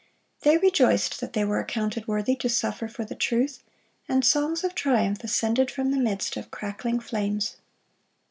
They rejoiced that they were accounted worthy to suffer for the truth, and songs of triumph ascended from the midst of crackling flames.